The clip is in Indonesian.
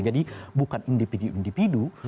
jadi bukan individu individu